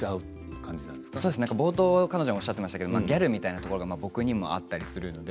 冒頭彼女もおっしゃっていましたけど、ギャルみたいなところが僕にもあったりするので。